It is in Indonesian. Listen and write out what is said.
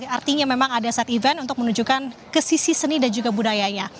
artinya memang ada side event untuk menunjukkan ke sisi seni dan juga budayanya